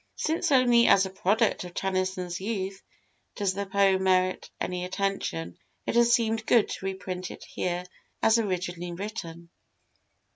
Since only as a product of Tennyson's youth does the poem merit any attention, it has seemed good to reprint it here as originally written.